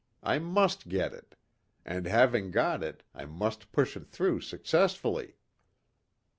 I must get it! And having got it, I must push it through successfully."